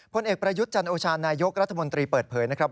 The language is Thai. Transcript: ผลเอกประยุทธ์จันโอชานายกรัฐมนตรีเปิดเผยนะครับ